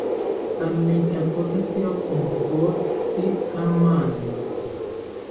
Amitakotakiro onkotzitzi jamani